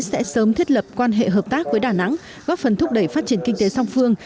sẽ sớm thiết lập quan hệ hợp tác với đà nẵng góp phần thúc đẩy phát triển kinh tế song phương